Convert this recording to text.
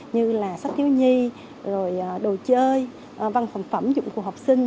như là sách thiếu nhi rồi đồ chơi văn phòng phẩm dụng cụ học sinh